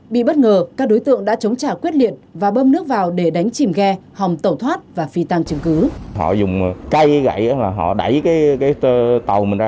bị bất ngờ các đối tượng đã chống trả quyết liệt và bơm nước vào để đánh chìm ghe hòng tẩu thoát và phi tăng chứng cứ